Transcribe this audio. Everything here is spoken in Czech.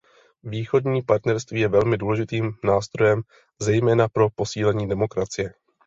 Východní partnerství je velmi důležitým nástrojem, zejména pro posílení demokracie.